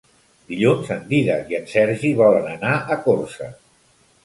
Dilluns en Dídac i en Sergi volen anar a Corçà.